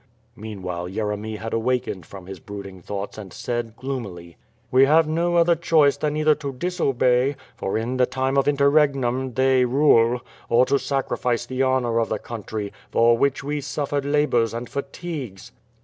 Meanwhile Yeremy had awakened from his brooding thoughts and said gloomily: 35^ ^ITH PIRE AND SWORD. "We have no other choice than either to disobey (for in the time of interregnum they rule), or to sacrifice the honor of the country, for which we suffered labors and fatigues.